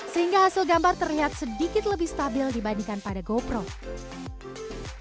sehingga hasil gambar terlihat sedikit lebih stabil dibandingkan dengan fitur stabilisator